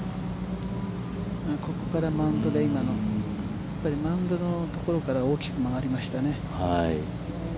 ここからマウンドでやっぱりマウンドのところから大きく曲がりましたね。